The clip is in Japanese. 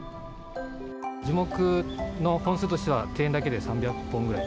樹木の本数としては庭園だけで３００本ぐらい。